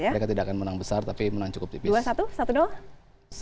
mereka tidak akan menang besar tapi menang cukup tipis